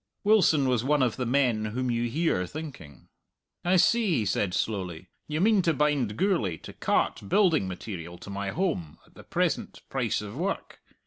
Wilson was one of the men whom you hear thinking. "I see," he said slowly. "You mean to bind Gourlay to cart building material to my holm at the present price of work.